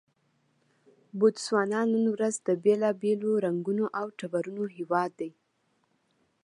بوتسوانا نن ورځ د بېلابېلو رنګونو او ټبرونو هېواد دی.